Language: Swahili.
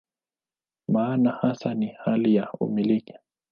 Maana hasa ni hali ya "umiliki".